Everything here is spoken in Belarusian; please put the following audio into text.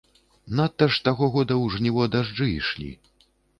Надта ж таго года ў жніво дажджы ішлі.